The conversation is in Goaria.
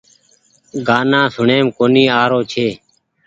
گآنا سوڻيم ڪونيٚ آ رو ڇي